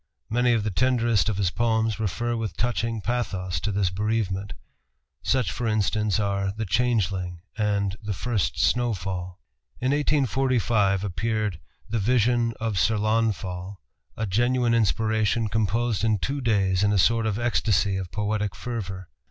Many of the tenderest of his poems refer with touching pathos to his bereavement: such for instance are "The Changeling" and "The First Snowfall." In 1845 appeared "The Vision of Sir Launfal," a genuine inspiration composed in two days in a sort of ecstasy of poetic fervor.